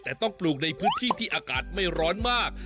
แต่ต้องปลูกในพื้นที่ที่อากาศไม่ร้อนมาก